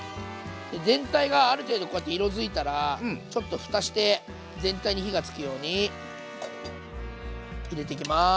全体がある程度こうやって色づいたらちょっとふたして全体に火がつくように入れていきます。